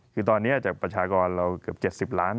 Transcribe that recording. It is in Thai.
คือตอนนี้จากประชากรเราเกือบ๗๐ล้าน